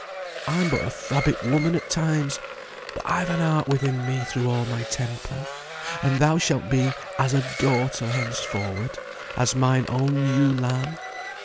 I'm but a frabbit woman at times, but I've a heart within me through all my temper, and thou shalt be as a daughter henceforward, as mine own ewe lamb.